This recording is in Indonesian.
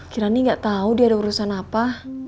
kirani gak tahu dia ada urusan apa